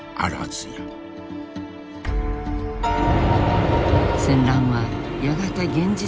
戦乱はやがて現実のものとなる。